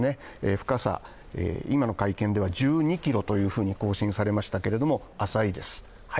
深さ、今の会見では１２ｋｍというふうに更新されましたけれども浅いです。